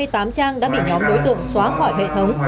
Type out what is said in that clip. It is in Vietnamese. hai mươi tám trang đã bị nhóm đối tượng xóa khỏi hệ thống